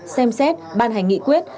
xem xét ban hành nghị quyết